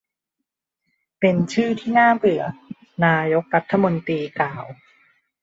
เป็นชื่อที่น่าเบื่อ นายกรัฐมนตรีกล่าว